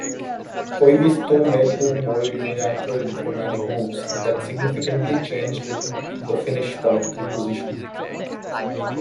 Koivisto made two bold unilateral diplomatic moves that significantly changed the Finnish political position.